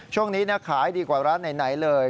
ช่วงนี้ขายดีกว่าร้านไหนเลย